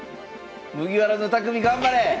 麦わらの匠頑張れ！